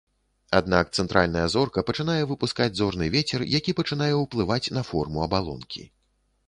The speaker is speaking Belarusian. Аднак цэнтральная зорка пачынае выпускаць зорны вецер, які пачынае ўплываць на форму абалонкі.